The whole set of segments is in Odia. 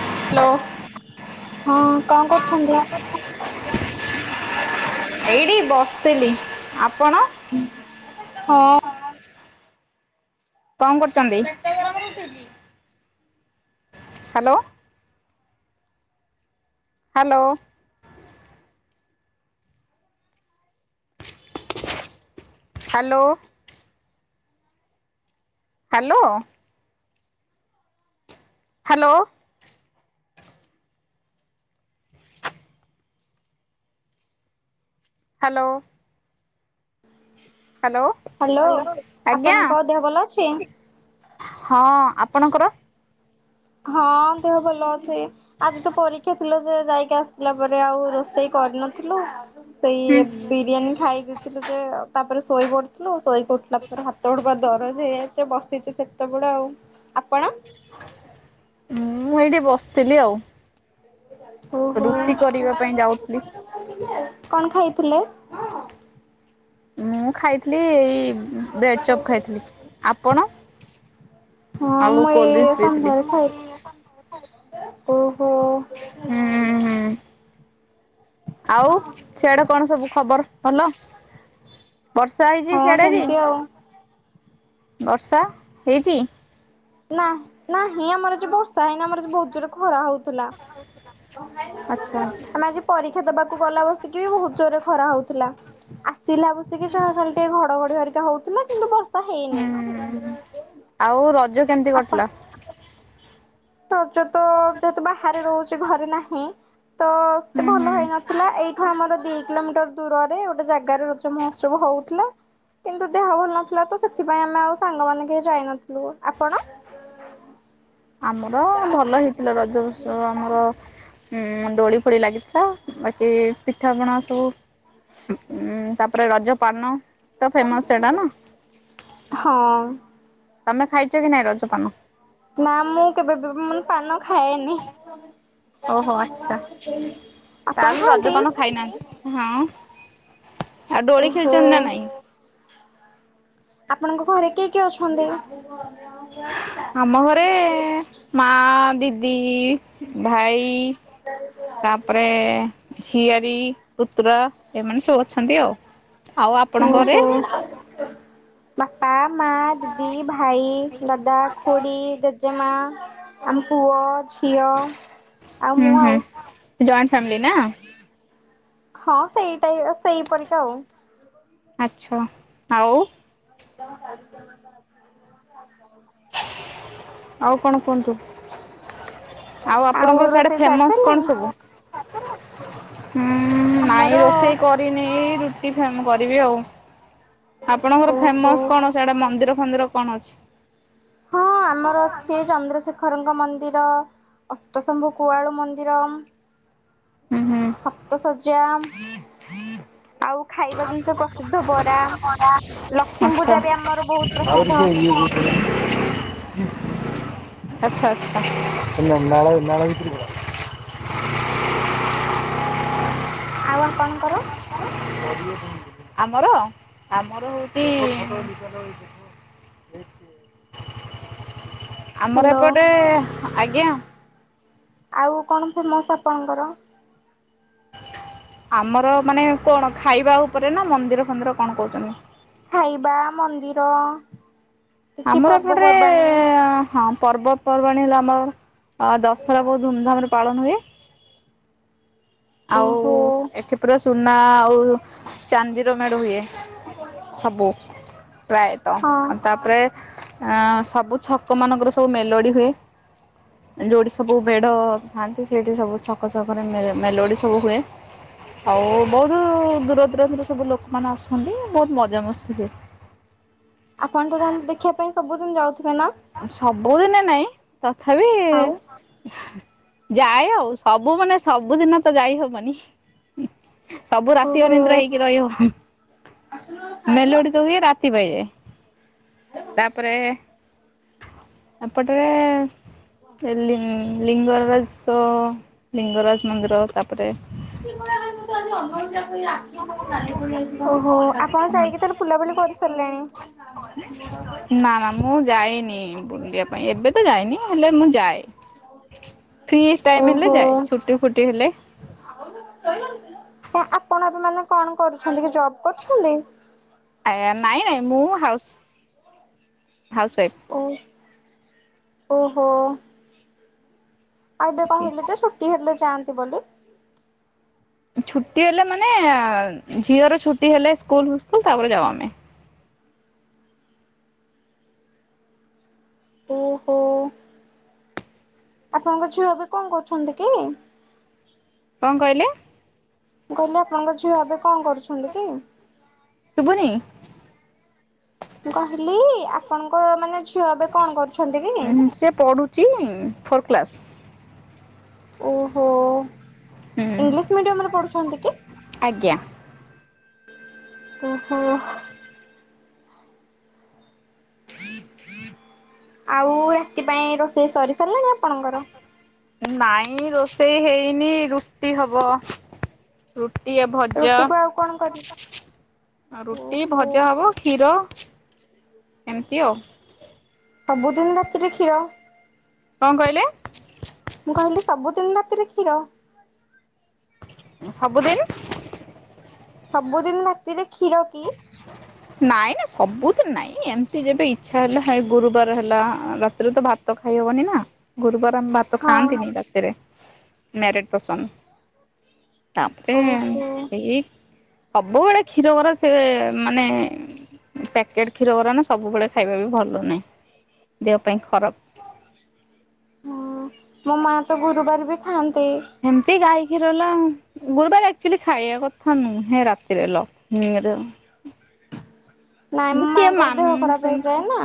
ହ୍ୟାଲୋ ହଁ କଣ କରୁଛନ୍ତି। ଏଇଠି ବସିଥିଲି ଆପଣ ହଁ। କଣ କରୁଛନ୍ତି, [unintelligible] hello hello hello hello hello hello hello, hello ଆଜ୍ଞା ଆପଣଙ୍କ ଦେହ ଭଲ ଅଛି? ହଁ ଆପ୍ ପଣଙ୍କର ହଁ ଅ ଦେହ ଭଲ ଅଛି। ଆଜି ତ ପରୀକ୍ଷା ଥିଲା ଯେ ଯାଇକି ଆସିଲା ପରେ ଆଉ ରୋଷେଇ କରିନଥିଲୁ ସେଇ ହୁଁ ବିରିୟାନୀ ଖାଇ ଦେଇଥିଲୁ ଯେ ତାପରେ ଶୋଇ ପଡିଥିଲୁ। ଶୋଇକି ଉଠିଲା ପରେ ହାତ ଗୋଡ ବା ଦରଜ ହେଇ ଯାଇଛି ତ ବସିଚି ସେତେବେଳୁ ଆଉ। ଆପଣ? ହ ଉଁ ମୁଁ ଏଇଠି ବସିଥିଲି ଆଉ। ଓହୋଓ ରୁଟି କରିବା ପାଇଁ ଯାଉଥିଲି [inaudible] କଣ ଖାଇଥିଲେ? ମୁଁ ଖାଇଥିଲି ଏଇ ବେଡ୍ ଚପ୍ ଖାଇଥିଲି। ଆପଣ? ହଁ ଆଉ ମୁଁ ଏ-ଏ-ଏ କୋଲଡ୍ରିଙ୍କସ ପିଇଥିଲି ସନ୍ଧ୍ୟାରେ ଖାଇଥି ଓହୋଓ। ହୁଁ ହୁଁ ଆଉ ସିଆଡେ କଣ ସବୁ ଖବର ଭଲ? ବର୍ଷା ହେଇଛି ହଁ ସିଆଡେ ଆଜି, ସେମିତି ଆଉ। ବର୍ଷା ହେଇଛି? ନା ନାହିଁ ଆମର ଯେ ବର୍ଷା ହେଇନି ଆମର ବହୁତ ଜୋରେ ଖରା ହଉଥିଲା। ଆଚ୍ଛା ଆଚ୍ଛା ଆମେ ଆଜି ପରୀକ୍ଷା ଦବାକୁ ଗଲା ବସିକି ବହୁତ ଜୋରେ ଖରା ହଉଥିଲା ଆସିଲା ବସିକି ଯା ଟିକେ ଘଡଘଡି ହରିକା ହଉଥିଲା କିନ୍ତୁ ବ ତ ହେଇନି ହୁଁ। ଆଉ ରଜ କେମିତି ଆପଣ କଟିଲା? ରଜ ତ ଯେହେତୁ ବାହାରେ ରହୁଚି ଘରେ ନାହିଁ ତ ସେତେ ହୁଁ ହୁଁ ଭଲ ହେଇନଥିଲା ଏଇ ଆମର ଦି କିଲୋମିଟର ଦୂରରେ ଗୋଟେ ଜାଗାରେ ରଜ ମହୋତ୍ସବ ହଉଥିଲା। କିନ୍ତୁ ଦେହ ଭଲ ନଥିଲା ତ ସେଥିପାଇଁ ଆମେ ଆଉ ସାଙ୍ଗ ମାନ କେହି ଯାଇନଥିଲୁ ଆପଣ? ଆମର ଭଲ ହେଇଥିଲା ରଜ ଉଚ୍ଛବ ଆମର ଉଁ ଦୋଳି ଫୋଳି ଲାଗିଥିଲା ବାକି ପିଠାପଣା ସବୁ ଉଁ ତାପରେ ରଜ ପାନ ହଁ। ତମେ ଖାଇଚ କି ନାଇଁ ରଜ ପାନ? ନା ମୁଁ କେବେ ବି ମୁଁ ପାନ ଖାଏନି। ଓହୋ ଆଛା ଆପଣ ତାହେଲେ ଖାଆନ୍ତି? ରଜପାନ ଖାଇନାହାନ୍ତି ହଁ। ଆଉ ଦୋଳି ଓହୋ ଖେଳିଚନ୍ତି ନା ନାଇଁ? ଆପଣଙ୍କ ଘରେ କିଏ କିଏ ଅଛନ୍ତି? ଆମ ଘରେ ମା ଦିଦି ଭାଇ ତାପରେ ଝିଆରୀ ପୁତରା ଏମାନେସବୁ ଅଛନ୍ତି ଆଉ ଆଉ ଆପଣ ଘରେ? ଓହୋ। ବାପା, ମା, ଦିଦି, ଭାଇ, ଦାଦା, ଖୁଡ଼ି, ଜେଜେମା ଆମ ପୁଅ, ଝିଅ ଆଉ ହୁଁ ମୁଁ ଆଉ। ହୁଁ ଜଏଣ୍ଟ ଫ୍ୟାମଲି ନା? ହଁ ସେଇ ଟାଇ ଆଉ ସେଇପରିକା ଆଉ। ଆଛ ଆଉ [unintelligible] ଆଉ କଣ କୁହନ୍ତୁ? ଆଉ ଆପଣଙ୍କର ସଡେ ରୋଷେଇ ସାରି ଫେମସ୍ ସାରିଲାଣି? କଣ ସବୁ? ହୁଁ ନାଇଁ ଆମର ରୋଷେଇ କରିନି ରୁଟି ଫେମ୍ କରିବି ଆଉ। ଆପଣଙ୍କର ଓହୋ ଫେମସ୍ କଣ ସିୟାଡେ ମନ୍ଦିର ଫନ୍ଦିର କଣ ଅଛି? ହଁ ଆମର ଅଛି ଚନ୍ଦ୍ରଶେଖରଙ୍କ ମନ୍ଦିର, ଅଷ୍ଟଶମ୍ଭୁ କୁଆଳୁ ମନ୍ଦିରମ୍। ହୁଁ ହୁଁ ସପ୍ତଶଯ୍ୟା। ଆଉ ଖାଇବା ଜିନିଷ ପ୍ରସିଦ୍ଧ ବରା, ଲକ୍ଷ୍ମୀ ପୂଜାବି ଆମର ବୋହୁତ ପ୍ରସିଦ୍ଧ। ଆଛା ଆଛା। ଆଉ ଆପଣଙ୍କର? ଆମର ଆମର ହୋଉଚି ଆମର ହ୍ୟାଲୋ ଏପଟେ ଆଜ୍ଞା। ଆଉ କଣ ଫେମସ୍ ଆପଣଙ୍କର? ଆମର ମାନେ କଣ ଖାଇବା ଉପରେ ନା ମନ୍ଦିର ଫନ୍ଦିର କଣ କୋଉଚନ୍ତିି? ଖାଇବା, ମନ୍ଦିର କିଛି ଆମର ଏପଟରେ ପର୍ବପର୍ବାଣୀ ହଁ। ପର୍ବପର୍ବାଣୀ ହେଲା ଆମର ଅ ଦଶହରା ବୋହୁତ ଧୁମଧାମରେ ପାଳନ ହୁଏ। ଆଉ ଓହୋ ଏଠି ପୁରା ସୁନା ଆଉ ଚାନ୍ଦିର ମେଢ ହୁଏ। ସବୁ ପ୍ରାୟେତଃ ହଁ ଆଉ ତାପରେ ଆଁ ସବୁ ଛକମାନଙ୍କରେ ସବୁ ମେଲୋଡ଼ି ହୁଏ। ଯୋଉଠି ସବୁ ମେଢ଼ ଥାଆନ୍ତି ସେଇଠି ସବୁ ଛକ ଛକରେ ମେଲ ମେଲୋଡ଼ି ସବୁ ହୁଏ। ଆଉ ବହୁତୁ ଦୂର ଦୂରନ୍ତରୁ ସବୁ ଲୋକମାନେ ଆସନ୍ତି। ବହୁତ ମଜା ମସ୍ତି ହୁଏ। ଆପଣ ତ ତାହେଲେ ଦେଖିବା ପାଇଁ ସବୁଦିନ ଯାଉଥିବେ ନା? ସବୁଦିନେ ନାଇଁ। ତଥାପି ଆଉ ଯାଏ ଆଉ ସବୁ ମାନେ ସବୁଦିନ ତ ଯାଇ ହବନି। ସବୁ ରାତି ଓହୋ। ଅନିନ୍ଦ୍ରା ହେଇକି ରହି ହବ ଅହ୍, ମେଲୋଡି ତ ହୁଏ ରାତ ତି ପାଇଯାଏ। ତାପରେ ଏପଟରେ ଏଲିଙ୍ଗ ଲିଙ୍ଗରାରସ ଲିଙ୍ଗରାଜ ମନ୍ଦିର ତାପରେ ଓହୋ! ଆପଣ ଯାଇକି ତାହଲେ ବୁଲାବୁଲି କର ସଲଲାଣି। ନା ନା ମୁଁ ଯାଇନି ବୁଲିବାପାଇଁ ଏବେ ତ ଯାଇନି। ହେଲେ ମୁଁ ଯାଏ। ଫ୍ରି ଟାଇମ୍ ହେଲେ ଓହୋ। ଯାଏ। ଛୁଟି ଫୁଟି ହେଲେ ତ ଆପଣ ଏବେ ମାନେ କଣ କରୁଛନ୍ତିକି? ଜବ୍ କରୁଛନ୍ତି। ଆଜ୍ଞା ନାଇଁ ନାଇଁ ମୁଁ ହାଉସ୍ ହାଉସ୍ ୱାଇଫ୍। ଓ ଓହୋ! ଆଉ ଏବେ କହିଲେ ଯେ ଛୁଟି ହେଲେ ଯାଆନ୍ତି ବୋଲି। ଛୁଟି ହେଲେ ମାନେ ଝିଅର ଛୁଟି ହେଲେ ସ୍କୁଲ୍ ଫୁସ୍କୁଲ ତାପରେ ଯାଉ ଆମେ। ଓହୋ! ଆପଣଙ୍କ ଝିଅ ଏବେ କଣ କରୁଛନ୍ତି କି? କଣ କହିଲେ? ମୁଁ କହିଲି ଆପଣଙ୍କ ଝିଅ ଏବେ କଣ କରୁଛନ୍ତି କି? ଶୁଭୁନି ମୁଁ କହିଲି ଆପଣଙ୍କ ମାନେ ଝିଅ ଏବେ କଣ କରୁଛନ୍ତି କି? ହଉଚି ଫୋର୍ କ୍ଲାସ୍। ଓହୋ! ହୁଁ ଇଂଲିଶ ମିଡିୟମ୍ ରେ ପଢୁଛନ୍ତି କି? ଆଜ୍ଞା। ଓହୋ! ଆଉ ରାତି ପାଇଁ ରୋଷେଇ ସରି ସାରିଲାଣି ଆପଣଙ୍କର? ନାଇଁ ରୋଷେଇ ହେଇନି ରୁଟି ହବ। ରୁ ଟି ଆ ଭଜା, ରୁଟିକୁ ଆଉ କଣ କରି ଆଉ ରୁଟି ଓହୋ ଭଜା ହବ। କ୍ଷୀର ଏମତି ଆଉ ସବୁଦିନ ରାତିରେ କ୍ଷୀର? କଣ କହିଲେ? ମୁଁ କହିଲି ସବୁଦିନ ରାତିରେ କ୍ଷୀର? ସବୁଦିନି? ସବୁଦିନ ରାତିରେ କ୍ଷୀର କି? ନାଇଁ ନାଇଁ ସବୁ ଦିନ ନାଇଁ ଏମତି ଯେବେ ଇଚ୍ଛା ହେଲା, ହେ ଗୁରୁବାର ହେଲା ରାତିରେ ତ ଭାତ ଖାଇହବନି ନା। ଗୁରୁବାର ତ ଆମ ଭାତ ହଁ ଖାଆନ୍ତିନି ରାତିରେ ମ୍ୟାରେଡ୍ ପର୍ସନ। ତାପରେ ଓହୋ। ସେଇ ସବୁବେଳେ କ୍ଷୀର ଗୋରା ସେ ମାନେ ପ୍ୟାକେଟ୍ କ୍ଷୀର ଗୁରା ନା ସବୁବେଳେ ଖାଇବା ବି ଭଲ ନାଇଁ। ଦେହ ପାଇଁ ଖରାପ। ହୁଁ ମୋ ମା ତ ଗୁରୁବାର ବି ଖାଆନ୍ ହେମତି ଗାଇ କ୍ଷୀର ହେଲା, ଗୁରୁବାର ଆକ୍ଚୁଲି ଖାଇବା କଥା ନୁହେଁ ରାତିରେ ଲୋ। ନିହାତି ଭାବେ ନାଇଁ ମୋ ମାଆଙ୍କର ଦେହ ଖରାପ ମାନୁଛନ୍ତି ହେଇଯାଏ ନା।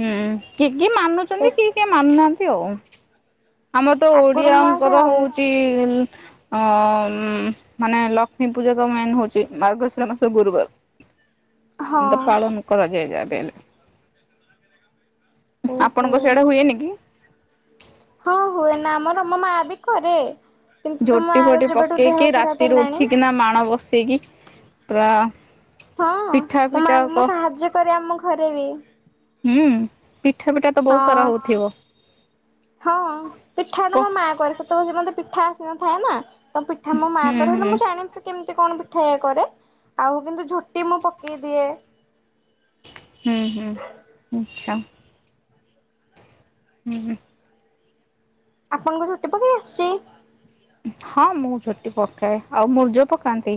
ହୁଁ, କି କି ସେ ମାନୁଚନ୍ତି। କିଏ କିଏ ମାନୁନାହାନ୍ତି ଆଉ। ଆମର ତ ଆଗରୁ ମୋ ମା ଓଡିଆଙ୍କର ଖାଉନି ହଉଚି ଅ, ଉଁ, ମାନେ ଲକ୍ଷ୍ମୀ ପୂଜା ତ ମେନ୍ ହଉଚି ମାର୍ଗଶିର ମାସ ଗୁରୁବାର। ହୁଁ ଉଁ ତ ପାଳନ କରାଯାଏ ଯାହାବି ହେଲେ। ଓହୋ। ଆପଣଙ୍କ ସିଆଡେ ହୁଏନି କି? ହଁ ହୁଏ ନା ଆମର ମୋ ମା ବି କରେ। କିନ୍ତୁ ତୋ ଝୋଟି ମାଆର ଫୋଟି ଯେବେଠୁ ଦେହ ପକେଇକି ଖରାପ ରାତିରୁ ହେଲାଣି ଉଠିକିନା ମାଣ ବସେଇକି। ପୁରା ହଁ ପିଠା ମୋ ପିଠା ମାଙ୍କୁ କ ମୁଁ ସାହାଯ୍ୟ କରେ ଆମ ଘରେ ବି। ହୁଁ। ପିଠା ପିଠା ତ ହଁ ବହୁତ ସାରା ହଉଥିବ। ହଁ ପିଠା କ ମୋ ମା କରେ ସେତେବେଳେ ସେ ମତେ ପିଠା ଆସି ନଥାଏ ନା ତ ପିଠା ମୋ ହୁଁ ମାଆ କରେ ହୁଁ ମୁଁ ଜାଣିନି ସେ କେମିତି କଣ ପିଠା ଠା କରେ ଆଉ କିନ୍ତୁ ଝୋଟି ମୁଁ ପକେଇ ଦିଏ ହୁଁ ହୁଁ ଆଛା। ହୁଁ ହୁଁ। ଆପଣଙ୍କୁ ଝୋଟି ପକେଇ ଆସିଛି? ହଁ ମୁଁ ଝୋଟି ପକାଏ। ଆଉ ମୁର୍ଜ ପକାନ୍ତି?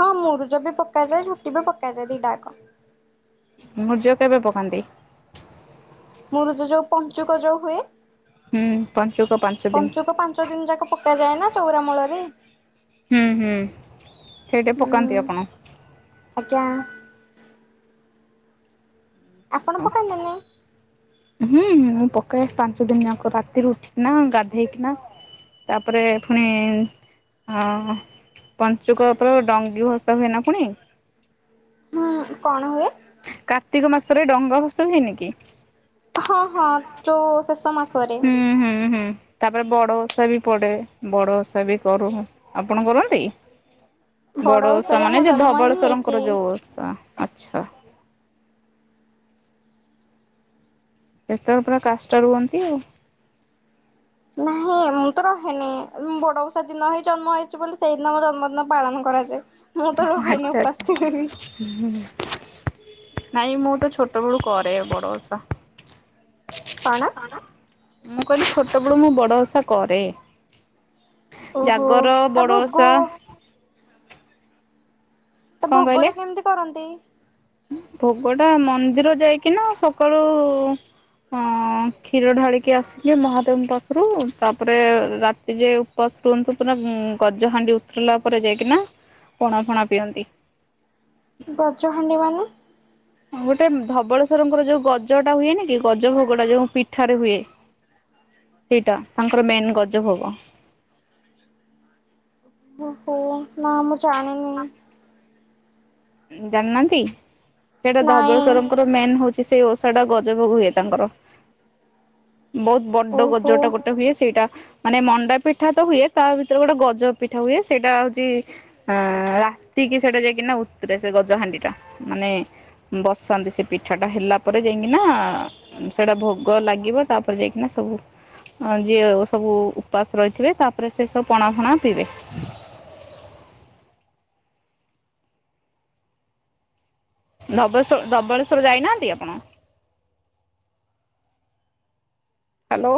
ହଁ ମୁରୁଜ ବି ପକାଯାଏ। ଝୋଟି ବି ପକାଯାଏ ଦିଟାଯାକ। ମୁରୁଜ କେବେ ପକାନ୍ତି? ମୁରୁଜ ତ ଯୋଉ ପଞ୍ଚୁକ ଯୋଉ ହୁଏ ହୁଁ ପଞ୍ଚୁକ ପାଞ୍ଚ ଦିନ ପଞ୍ଚୁକ ପାଞ୍ଚ ଦିନ ଯାକ ପକାଯାଏ ନା ଚଉରା ମୂଳରେ। ସେଟା ହୁଁ ପକାନ୍ତି ଆପଣ? ଆଜ୍ଞା ଆପଣ ହଁ ପକାନ୍ତିନି? ହୁଁ ମୁଁ ପକାଏ ପାଞ୍ଚ ଦିନ ଯାକ ରାତିରୁ ଉଠିକିନା ଗାଧେଇକିନା। ତାପରେ ପୁଣି ହଁ ପଞ୍ଚୁକ ଉପରୁ ଡଙ୍ଗି ଭସା ହୁଏନା ଫୁଣି ହୁଁ କଣ ହୁଏ? କାର୍ତ୍ତିକ ମାସରେ ଡଙ୍ଗା ଭସାହୁଏନିକି? ହଁ ହଁ ଯୋଉ ଶେଷ ମାସ ହୁଁ ହୁଁ ହୁଁ। ତାପରେ ବଡ ଓଷା ବି ପଡେ ବଡ ଓଷା ବି କରୁ। ଆପଣ କରନ୍ତି? ବଡ ଓଷା ଓଷାରେ ମୁଁ ମାନେ ଯେ ଜନ୍ମ ହିଁ ହେଇଛି। ଧବଳେଶ୍ୱଵରଙ୍କର ଯୋଉ ଓଷା ଆଛା। ସେତେବେଳେ ପୁରା କାଷ୍ଟା ରୁହନ୍ତି ଆଉ। ନାହିଁ ମୁଁ ତ ରହେନି ବଡ ଓଷା ଦିନ ହିଁ ଜନ୍ମ ହେଇଛି ବୋଲି ସେଇଦିନ ମୋ ଜନ୍ମଦିନ ପାଳନ କରାଯାଏ ମୁଁ ତ ରହେନି ଆଚ୍ଛା ଆଚ୍ଛା ଓପାସ କେବେ ବି। ନାଇଁ ମୁଁ ତ ଛୋଟ ବେଳୁ କରେ ବଡ ଓସା। କଣ? ମୁଁ କହିଲି ଛୋଟବେଳୁ ମୁଁ ବଡ ଓସା କରେ। ଓହୋ ଜାଗର ତା ଭୋଗ ବଡଓଷା। ତ ଭୋଗ ଟା କେମିତି କରନ୍ତି? ଭୋଗ ଟା ମନ୍ଦିର ଯାଇକିନା ସକାଳୁ ଅ କ୍ଷୀର ଢାଳିକି ଆସିକି ମହାଦେବଙ୍କ ପାଖରୁ ତାପରେ ରାତି ଯେ ଉପସ ଶୁହନ୍ତୁ ପୁର ଗଜ ହାଣ୍ଡି ଉଥରିଲା ପରେ ଯାଇକିନା ପଣା ଫଣା ପିଅନ୍ତି। ବ୍ରଜହାଣ୍ଡି ମାନେ? ଗୋଟେ ଧବଳେସ୍ଵରଙ୍କର ଯୋଉ ଗଜଟା ହୁଏନି କି ଗଜ ଭୋଗଟା ଯୋଉ ପିଠାରେ ହୁଏ। ହ ସେଇଟା ତାଙ୍କର ମେନ୍ ଗଜ ଭୋଗ। ଓହୋ ନା ମୁଁ ଜାଣିନି। ଜାଣିନାହାନ୍ତି? ସେଟା ନାଇଁ ଧବଳେଶ୍ଵରଙ୍କର ମେନ ହଉଛି କି ସେଇ ଓଷା ଟା ଗଜଭୋଗ ହୁଏ ତାଙ୍କର। ବହୁତ ବଡ ଓହୋ। ଗଜଟା ଗୋଟେ ହୁଏ ସେଇଟା ମାନେ ମଣ୍ଡା ପିଠା ତ ହୁଏ ତା ଭିତରେ ଗୋଟେ ଗଜ ପିଠା ହୁଏ ସେଇଟା ହଉଛି ଆ ରା ତିକିି ସେଇଟା ଯାଇକିନା ଥିରେ ସେ ଗଜହାଣ୍ଡିଟା ମାନେ ବସାନ୍ତି ସେ ପିଠାଟା ହେଲା ପରେ ଯାଇକିନା, ସେଟା ଭୋଗ ଲାଗିବ ତାପରେ ଯାଇକିନା ସବୁ ଯିଏ ସବୁ ଉପାସ ରହିଥିବେ ତାପରେ ସେ ସବୁ ପଣା ଫଣା ପିଇବେ ଆ ଧବେଶର ଧବଳେଶ୍ଵର ଯାଇନାହାନ୍ତି ଆପଣ। ହ୍ୟାଲୋ।